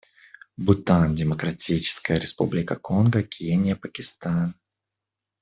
Бутан, Демократическая Республика Конго, Кения, Пакистан.